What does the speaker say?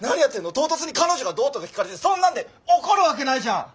唐突に彼女がどうとか聞かれてそんなんで怒るわけないじゃん。